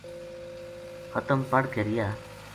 ختم پڑھ کے ریہا